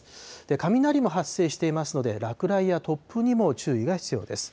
雷も発生していますので、落雷や突風にも注意が必要です。